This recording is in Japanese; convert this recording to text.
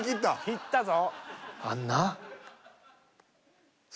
いったぞ。